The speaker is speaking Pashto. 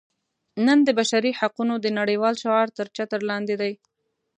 نن د بشري حقونو د نړیوال شعار تر چتر لاندې دي.